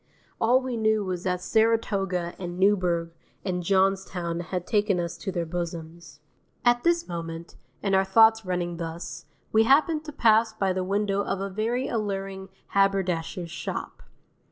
All we knew was that Saratoga and Newburgh and Johnstown had taken us to their bosoms. At this moment, and our thoughts running thus, we happened to pass by the window of a very alluring haberdasher's shop.